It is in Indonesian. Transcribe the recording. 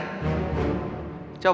ini koh adak kekavatan